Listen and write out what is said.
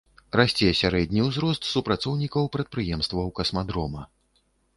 Расце сярэдні ўзрост супрацоўнікаў прадпрыемстваў касмадрома.